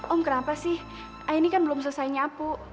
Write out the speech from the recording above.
om kenapa sih ini kan belum selesai nyapu